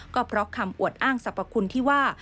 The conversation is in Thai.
ก็เพราะคำอวดอ้างสรรพคุณที่ว่า